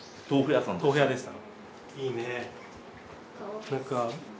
豆腐屋でした。